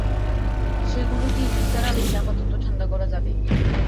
সেগুলো দিয়ে নিসার আলিকে আপাতত ঠাণ্ডা করা যাবে।